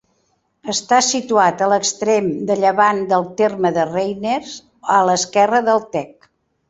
Està situat a l'extrem de llevant del terme de Reiners, a l'esquerra del Tec.